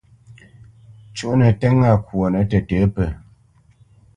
Cúʼnə tə́ ŋâ kwonə tətə̌ pə.